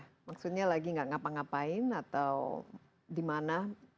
maksudnya lagi tidak ngapa ngapain atau di mana